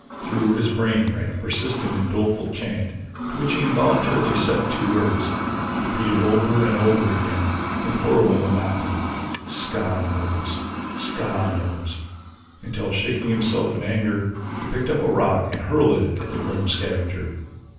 Through his brain ran a persistent and doleful chant to which he involuntarily set two words, repeated over and over again in horrible monotony: "Ska knows! Ska knows!" until, shaking himself in anger, he picked up a rock and hurled it at the grim scavenger.